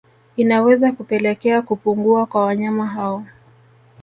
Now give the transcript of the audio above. Inaweza kupelekea kupungua kwa wanyama hao